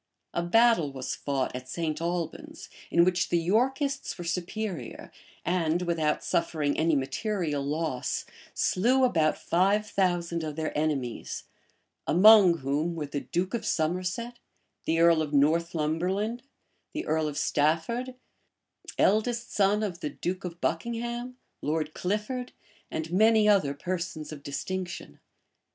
A battle was fought at St. Albans, in which the Yorkists were superior, and, without suffering any material loss, slew about five thousand of their enemies; among whom were the duke of Somerset, the earl of Northumberland, the earl of Stafford, eldest son of the duke of Buckingham, Lord Clifford, and many other persons of distinction.